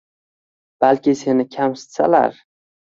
balki seni kamsitsalar